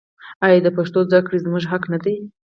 آیا د پښتو زده کړه زموږ حق نه دی؟